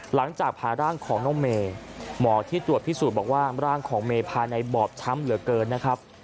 หลังจากผ่าร่างของน้องเมย์หมอที่ตรวจพิสูจน์บอกว่าร่างของเมภายในบอบช้ำเหลือเกินนะครับ